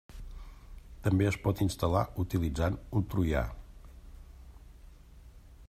També es pot instal·lar utilitzant un troià.